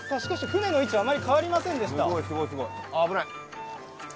船の位置があまり変わりませんでした。